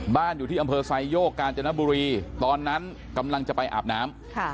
อยู่ที่อำเภอไซโยกกาญจนบุรีตอนนั้นกำลังจะไปอาบน้ำ